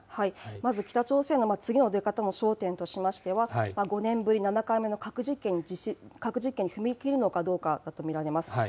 まず北朝鮮の次の出方の焦点としましては、５年ぶり７回目の核実験実施、核実験に踏み切るのかどうかだと思います。